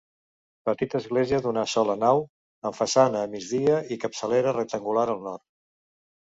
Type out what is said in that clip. Petita església d'una sola nau, amb façana a migdia i capçalera rectangular al nord.